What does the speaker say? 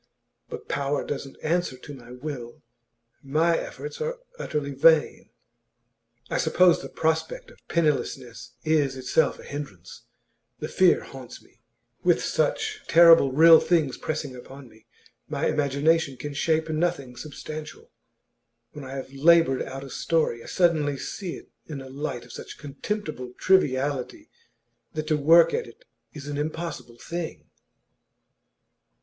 But power doesn't answer to the will. My efforts are utterly vain; I suppose the prospect of pennilessness is itself a hindrance; the fear haunts me. With such terrible real things pressing upon me, my imagination can shape nothing substantial. When I have laboured out a story, I suddenly see it in a light of such contemptible triviality that to work at it is an impossible thing.